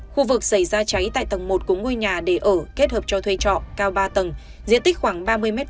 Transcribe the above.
khu vực xảy ra cháy tại tầng một của ngôi nhà để ở kết hợp cho thuê trọ cao ba tầng diện tích khoảng ba mươi m hai